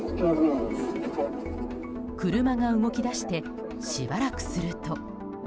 車が動き出してしばらくすると。